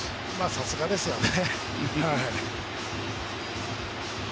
さすがですよね。